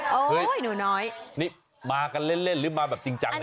โอ้โหหนูน้อยนี่มากันเล่นหรือมาแบบจริงจังเลย